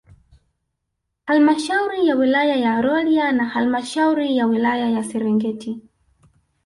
Halmashauri ya Wilaya ya Rolya na Halmashauri ya wilaya ya Serengeti